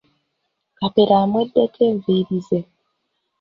Kapere amweddeko enviiri ze zonna.